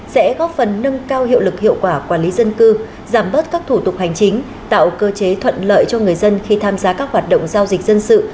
sẽ góp phần nâng cao hiệu lực hiệu quả quản lý dân cư giảm bớt các thủ tục hành chính tạo cơ chế thuận lợi cho người dân khi tham gia các hoạt động giao dịch dân sự